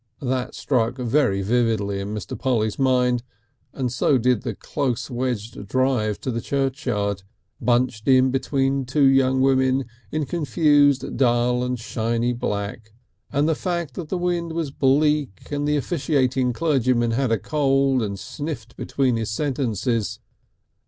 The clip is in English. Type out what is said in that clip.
That stuck very vividly in Mr. Polly's mind, and so did the close wedged drive to the churchyard, bunched in between two young women in confused dull and shiny black, and the fact that the wind was bleak and that the officiating clergyman had a cold, and sniffed between his sentences.